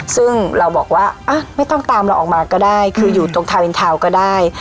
ซึ่งเราบอกว่าไม่ต้องตามเราออกมาก็ได้คืออยู่ตรงทารินทาวน์ก็ได้